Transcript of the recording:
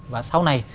và sau này